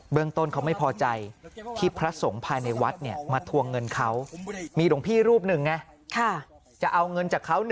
เบื้องต้นเขาไม่พอใจ